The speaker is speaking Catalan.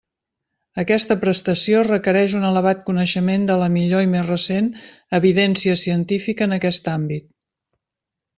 Aquesta prestació requereix un elevat coneixement de la millor i més recent evidència científica en aquest àmbit.